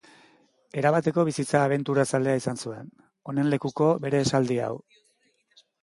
Erabateko bizitza abenturazalea izan zuen, honen lekuko bere esaldi hau.